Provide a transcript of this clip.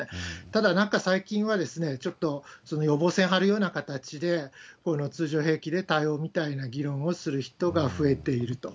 ただ、なんか最近はちょっと予防線張るような形で、この通常兵器で対応みたいな議論をする人が増えていると。